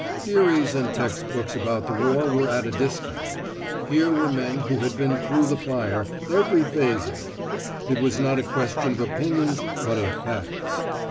Theories and text books about the war were at a discount: here were men who had been through the fire, every phase of it. It was not a question of opinions, but of facts.